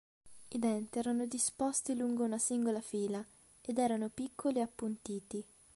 I denti erano disposti lungo una singola fila, ed erano piccoli e appuntiti.